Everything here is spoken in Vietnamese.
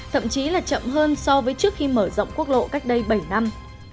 thậm chí là chậm hơn so với trước khi mở rộng quốc lộ cách đây bảy năm